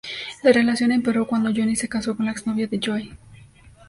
La relación empeoró cuando Johnny se casó con la ex novia de Joey.